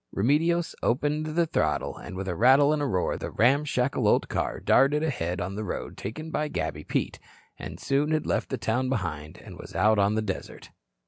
Remedios opened the throttle and with a rattle and roar, the ramshackle old car darted ahead on the road taken by Gabby Pete, and soon had left the town behind and was out on the desert.